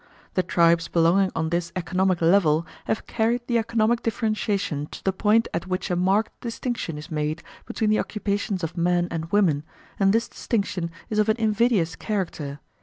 The tribes belonging on this economic level have carried the economic differentiation to the point at which a marked distinction is made between the occupations of men and women, and this distinction is of an invidious character.